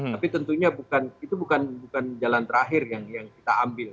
tapi tentunya itu bukan jalan terakhir yang kita ambil